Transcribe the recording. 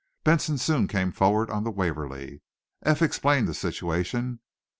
Benson soon afterward came forward on the "Waverly." Eph explained the situation.